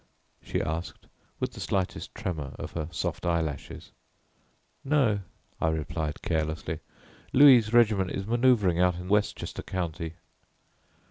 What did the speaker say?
she asked, with the slightest tremor of her soft eyelashes. "No," I replied carelessly. "Louis' regiment is manoeuvring out in Westchester County."